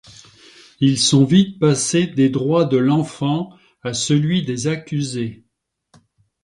Ils sont vite passés des droits de l’enfant à celui des accusés.